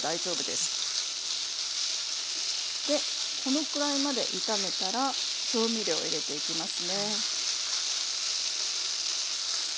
でこのくらいまで炒めたら調味料を入れていきますね。